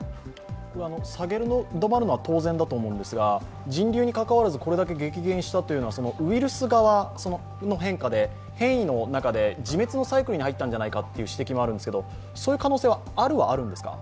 下げ止まるのは当然だと思うんですが人流にかかわらず、これだけ激減したというのはウイルス側の変異の中で自滅のサイクルに入ったのではないかという指摘もあるんですが、そういう可能性は、あるはあるんですか？